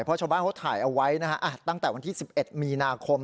เพราะชาวบ้านเขาถ่ายเอาไว้นะฮะตั้งแต่วันที่๑๑มีนาคม